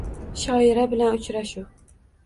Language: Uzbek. Shoira bilan uchrashuv